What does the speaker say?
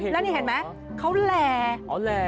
แล้วนี่เห็นไหมเขาแหล่